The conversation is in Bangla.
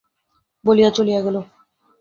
বলিয়া চলিয়া গেল।